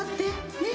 ねっ？